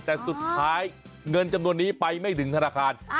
แต่สุดท้ายเงินจำนวนนี้ไปไม่ถึงธนาคาร